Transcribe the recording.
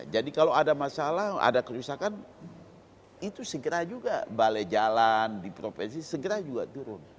jadi kalau ada masalah ada kerusakan itu segera juga balai jalan di provinsi segera juga turun